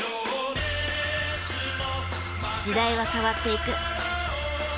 時代は変わっていく。